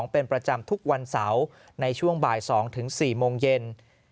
เป็นประจำทุกวันเสาร์ในช่วงบ่าย๒๔โมงเย็น